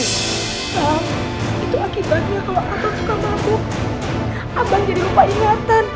bang itu akibatnya kalau abang suka mabuk